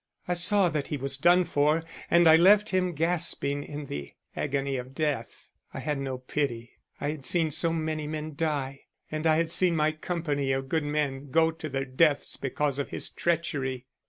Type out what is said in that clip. I saw that he was done for and I left him gasping in the agony of death. I had no pity I had seen so many men die, and I had seen my company of good men go to their deaths because of his treachery.